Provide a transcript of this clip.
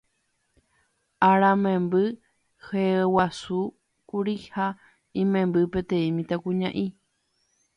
Aramemby hyeguasúkuri ha imemby peteĩ mitãkuña'i